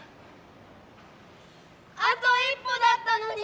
あと一歩だったのに！